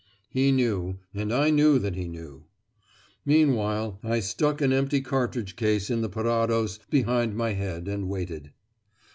He knew, and I knew that he knew. Meanwhile, I stuck an empty cartridge case in the parados behind my head and waited.